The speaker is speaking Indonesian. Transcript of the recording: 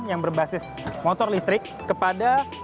yang berbasis motor listrik kepada